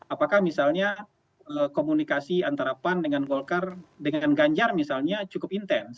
apakah misalnya komunikasi antara pan dengan golkar dengan ganjar misalnya cukup intens